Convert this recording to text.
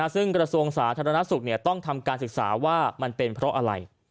ซึ่งกระทรวงสาธารณสุขต้องทำการศึกษาว่ามันเป็นเพราะอะไร